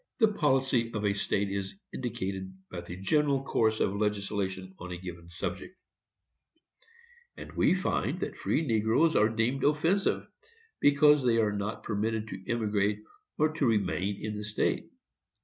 The policy of a state is indicated by the general course of legislation on a given subject; and we find that free negroes are deemed offensive, because they are not permitted to emigrate to or remain in the state.